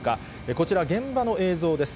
こちら、現場の映像です。